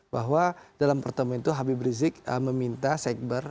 bahwa dalam pertemuan itu habib rizik meminta sekber